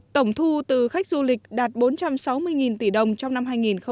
tổng thu từ khách du lịch đạt bốn trăm sáu mươi tỷ đồng trong năm hai nghìn một mươi chín